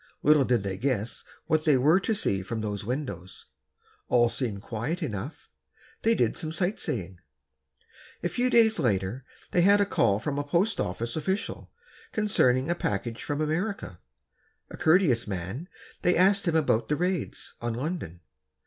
Little did they guess what they were to see from those windows. All seemed quiet enough. They did some sight seeing. A few days later, they had a call from a post office official, concerning a package from America. A courteous man, they asked him about the raids, on London.